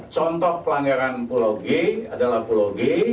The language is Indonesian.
contoh pelanggaran pulau g adalah pulau g